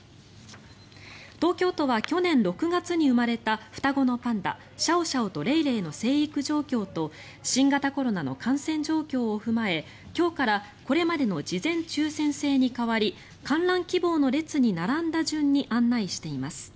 東京都は去年６月に生まれた双子のパンダシャオシャオとレイレイの成育状況と新型コロナの感染状況を踏まえ今日からこれまでの事前抽選制に代わり観覧希望の列に並んだ順に案内しています。